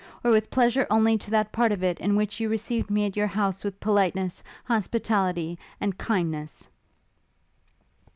or with pleasure only to that part of it, in which you received me at your house with politeness, hospitality, and kindness!'